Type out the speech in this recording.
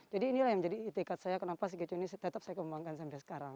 jadi inilah yang menjadi itikat saya kenapa sakeco ini tetap saya kembangkan sampai sekarang